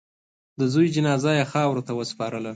د زوی جنازه یې خاورو ته وسپارله.